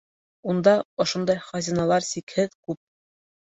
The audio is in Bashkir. Унда ошондай хазиналар сикһеҙ күп.